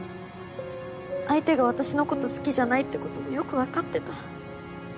相手が私のこと好きじゃないってこともよく分かってた。